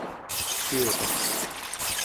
ciuraq